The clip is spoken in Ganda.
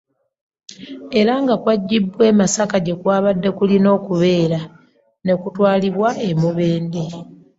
Era nga kwaggyiddwa e Masaka gye kwabadde kulina okubeera ne kutwalibwa e Mubende.